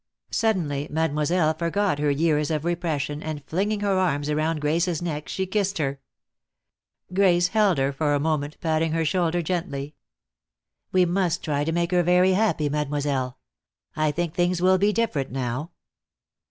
Suddenly Mademoiselle forgot her years of repression, and flinging her arms around Grace's neck she kissed her. Grace held her for a moment, patting her shoulder gently. "We must try to make her very happy, Mademoiselle. I think things will be different now."